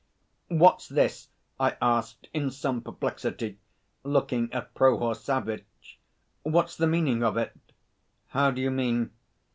"What's this?" I asked in some perplexity, looking at Prohor Savvitch. "What's the meaning of it?" "How do you mean?"